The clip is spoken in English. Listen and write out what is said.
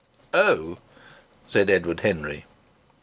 "Oh!" said Edward Henry.